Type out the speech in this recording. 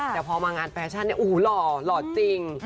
แต่พอมางานแฟชั่นเนี่ยโอ้โหหล่อหล่อจริง